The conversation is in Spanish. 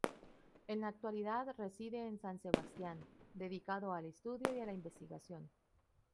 En la actualidad reside en San Sebastián, dedicado al estudio y a la investigación.